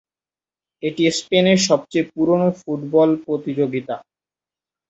এটিই স্পেনের সবচেয়ে পুরনো ফুটবল প্রতিযোগিতা।